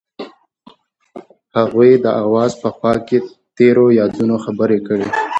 هغوی د اواز په خوا کې تیرو یادونو خبرې کړې.